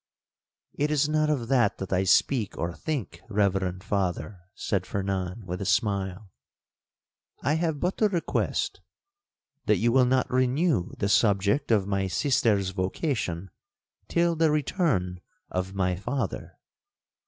'—'It is not of that I speak or think, reverend Father,' said Fernan, with a smile; 'I have but to request, that you will not renew the subject of my sister's vocation till the return of my father.'